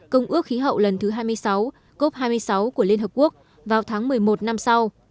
công ước khí hậu lần thứ hai mươi sáu cop hai mươi sáu của liên hợp quốc vào tháng một mươi một năm sau